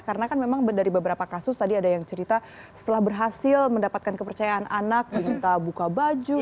karena kan memang dari beberapa kasus tadi ada yang cerita setelah berhasil mendapatkan kepercayaan anak minta buka baju